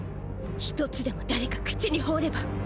１つでも誰か口に放れば。